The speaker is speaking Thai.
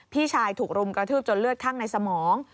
พี่ชายถูกรุมกระทืบจนเลือดข้างในสมอง